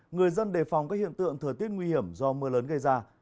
người dân đề phòng các hiện tượng thời tiết nguy hiểm do mưa lớn gây ra